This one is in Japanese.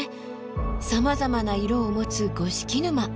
さまざまな色を持つ五色沼。